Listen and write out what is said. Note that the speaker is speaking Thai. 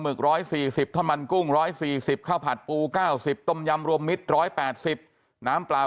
ก๑๔๐ข้าวมันกุ้ง๑๔๐ข้าวผัดปู๙๐ต้มยำรวมมิตร๑๘๐น้ำเปล่า